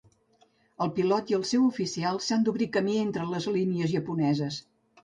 El pilot i el seu oficial s'han d'obrir camí entre les línies japoneses.